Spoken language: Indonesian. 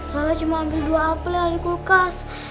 lala cuma ambil dua apel yang ada di kulkas